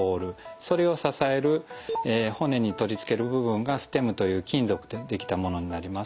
それを支える骨に取り付ける部分がステムという金属で出来たものになります。